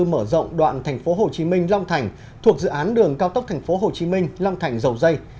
mở rộng đoạn tp hcm long thành thuộc dự án đường cao tốc tp hcm long thành dầu dây